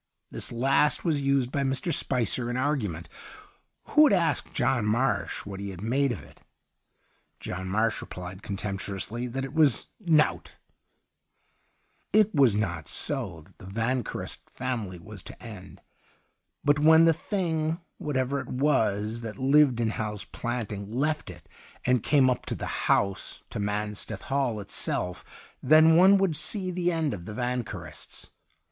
This last was used by Mr. Spicer in argument, who would ask John Marsh what he made of it. John Marsh replied, contemptuously, that it was ' nowt.' 132 THE UNDYING THING It was not so that the Vanquerest family was to end ; but when the thing, whatever it was^ that Hved in Hal's Planting, left it and came up to the house, to Mansteth Hall itself, then one would see the end of the Vanquerests.